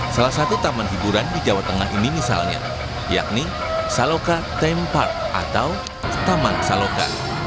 salah satu taman hiburan di jawa tengah ini misalnya yakni saloka teme park atau taman saloka